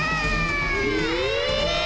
え！